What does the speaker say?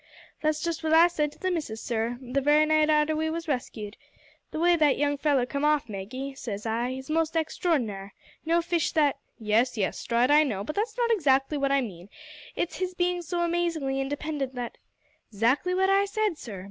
"That's just what I said to the missus, sir, the very night arter we was rescued. `The way that young feller come off, Maggie,' says I, `is most extraor'nar'. No fish that '" "Yes, yes, Stride, I know, but that's not exactly what I mean: it's his being so amazingly independent that " "'Zactly what I said, sir.